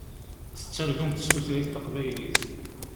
Tettargumt s tutlayt taqbaylit.